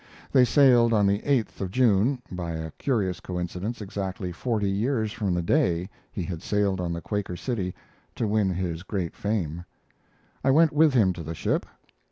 They sailed on the 8th of June, by a curious coincidence exactly forty years from the day he had sailed on the Quaker City to win his great fame. I went with him to the ship.